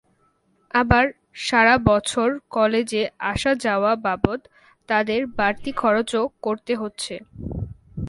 আবার সারা বছর কলেজে আসা-যাওয়া বাবদ তাঁদের বাড়তি খরচও করতে হচ্ছে।